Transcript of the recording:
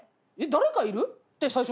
誰かいる⁉」って最初なって。